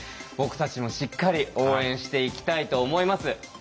僕たちもしっかり応援していきたいと思います。